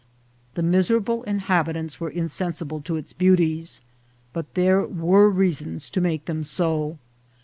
The miserable inhabitants were insensible to its beauties, but there were reasons to make them so.